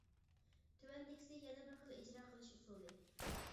تۆۋەندىكىسى يەنە بىر خىل ئىجرا قىلىش ئۇسۇلى.